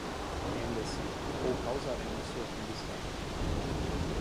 Renda-se ou causaremos sua rendição